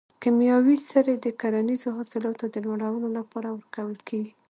کیمیاوي سرې د کرنیزو حاصلاتو د لوړولو لپاره ورکول کیږي.